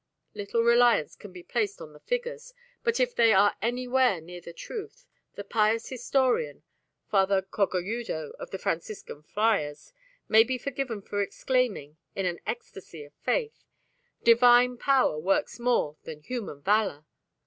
Little reliance can be placed on the figures, but if they are anywhere near the truth, the pious historian, Father Cogolludo of the Franciscan Friars, may be forgiven for exclaiming, in an ecstasy of faith, "Divine power works more than human valour!"